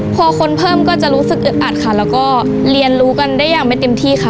พอคนเพิ่มก็จะรู้สึกอึดอัดค่ะแล้วก็เรียนรู้กันได้อย่างไม่เต็มที่ค่ะ